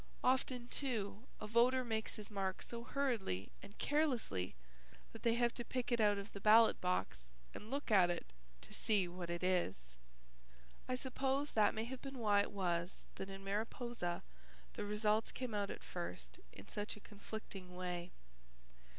Often, too, a voter makes his mark so hurriedly and carelessly that they have to pick it out of the ballot box and look at it to see what it is. I suppose that may have been why it was that in Mariposa the results came out at first in such a conflicting way.